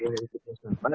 memiliki proses yang sama